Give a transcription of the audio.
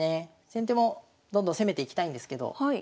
先手もどんどん攻めていきたいんですけど